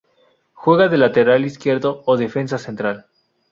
Juega de lateral izquierdo o defensa central.